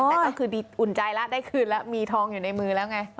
แต่ก็คือดีอุ่นใจแล้วได้คืนแล้วมีทองอยู่ในมือแล้วไง